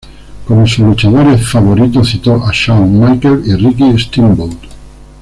Como sus luchadores favoritos, citó a Shawn Michaels y Ricky Steamboat.